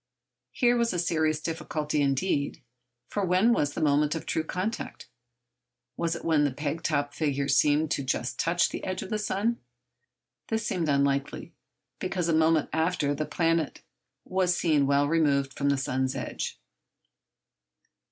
Here was a serious difficulty indeed. For when was the moment of true contact? Was it when the peg top figure seemed just to touch the edge of the sun? This seemed unlikely, because a moment after the planet was seen well removed from the sun's edge.